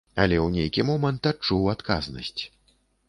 Але ў нейкі момант адчуў адказнасць.